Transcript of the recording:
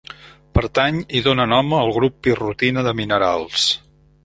Pertany i dóna nom al grup pirrotina de minerals.